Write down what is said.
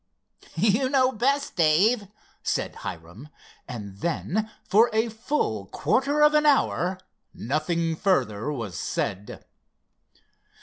"You know best, Dave," said Hiram, and then for a full quarter of an hour nothing further was said.